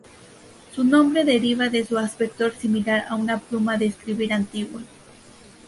Su nombre deriva de su aspecto similar a una pluma de escribir antigua.